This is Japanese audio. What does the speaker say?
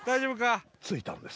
着いたのです！